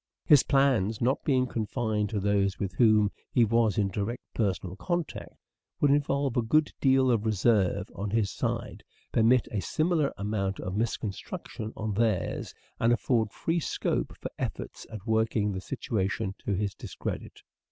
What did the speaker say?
His plans not being way."* confided to those with whom he was in direct personal contact, would involve a good deal of reserve on his side, permit a similar amount of misconstruction on theirs, and afford free scope for efforts at working the situation to his discredit.